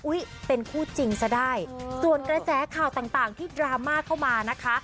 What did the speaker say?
เป็นคู่จริงซะได้ส่วนกระแสข่าวต่างที่ดราม่าเข้ามานะคะ